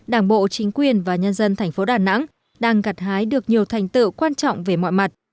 đảng bộ chính quyền và nhân dân thành phố đà nẵng đang gặt hái được nhiều thành tựu quan trọng về mọi mặt